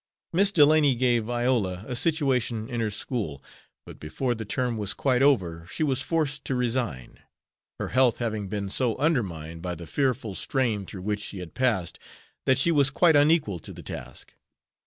Miss Delany gave Iola a situation in her school; but before the term was quite over she was force to resign, her health having been so undermined by the fearful strain through which she had passed, that she was quite unequal to the task.